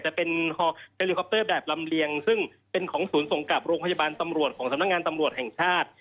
จะเป็นเฮลิคอปเตอร์แบบลำเลียงซึ่งเป็นของศูนย์ส่งกลับโรงพยาบาลตำรวจของสำนักงานตำรวจแห่งชาติ